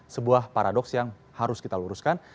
sebuah paradoks yang harus kita luruskan